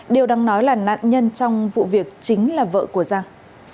điều đáng nói là nạn nhân trong vụ việc chính là vợ của giang